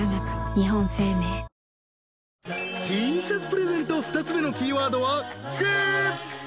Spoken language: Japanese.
［Ｔシャツプレゼント２つ目のキーワードは「く」］